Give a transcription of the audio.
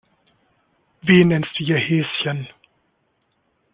Wen nennst du hier Häschen?